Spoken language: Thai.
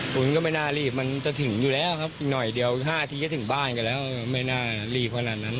คุณก็ไม่น่ารีบมันจะถึงอยู่แล้วครับอีกหน่อยเดียว๕อาทิตย์จนถึงบ้านก็ไม่น่ารีบ